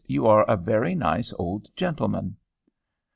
'You are a very nice old gentleman.'